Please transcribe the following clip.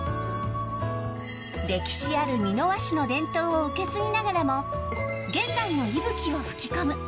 歴史ある美濃和紙の伝統を受け継ぎながらも現代の息吹を吹き込む。